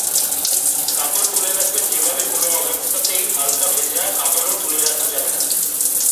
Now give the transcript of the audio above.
কাপড় তুলে রাখবেন যেভাবেকোনো অবস্থাতেই হালকা ভেজা কাপড়ও তুলে রাখা যাবে না।